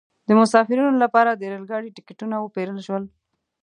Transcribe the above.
د مسافرینو لپاره د ریل ګاډي ټکټونه وپیرل شول.